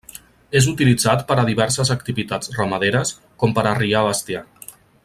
És utilitzat per a diverses activitats ramaderes, com per arriar bestiar.